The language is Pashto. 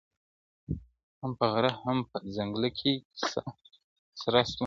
هم په غره هم په ځنګله کي کیسه سره سوه.!